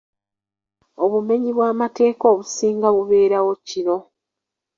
Obumenyi bw'amateeka obusinga bubeerawo kiro.